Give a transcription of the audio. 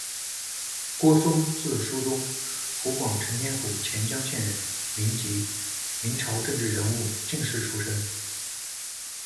郭嵩，字叔中，湖广承天府潜江县人，民籍，明朝政治人物、进士出身。